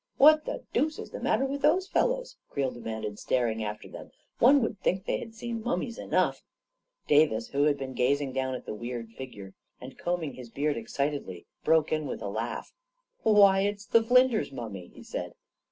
"What the deuce is the matter with those fel lows? " Creel demanded, staring after them. " One would think they had seen mummies enough ..." A KING IN BABYLON 159 Davis, who had been gazing down at the weird figure and combing his beard excitedly, broke in with a laugh. " Why, it's the Flinders mummy! " he said.